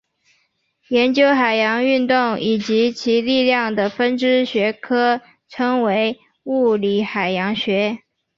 研究海洋运动以及其力量的分支学科称为物理海洋学。